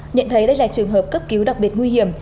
nhận thấy đây là trường hợp cấp cứu đặc biệt nguy hiểm